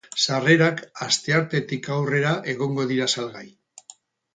Sarrerak asteartetik aurrera egongo dira salgai.